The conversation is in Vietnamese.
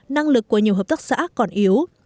năng lực của nhiều hợp tác xã còn yếu